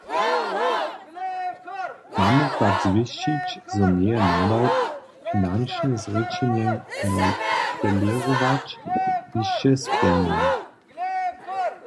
Mamy pak zwěsćić, zo njeje nadawk, finančne zrěčenje nowelěrować, hišće spjelnjeny.